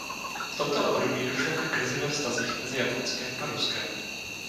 V tomto období došlo ke krizi ve vztazích mezi Japonskem a Ruskem.